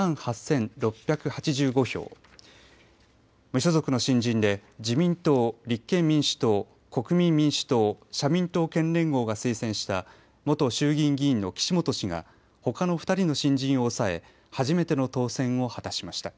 無所属の新人で自民党、立憲民主党国民民主党、社民党県連合が推薦した元衆議院議員の岸本氏がほかの２人の新人を抑え初めての当選を果たしました。